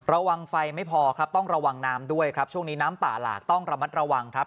ระวังไฟไม่พอครับต้องระวังน้ำด้วยครับช่วงนี้น้ำป่าหลากต้องระมัดระวังครับ